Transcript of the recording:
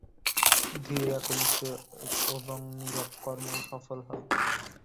ধীর, একনিষ্ঠ এবং নীরব কর্মই সফল হয়।